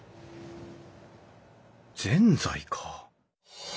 ぜんざいか。